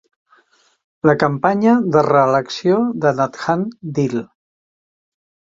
La campanya de reelecció de Nathan Deal.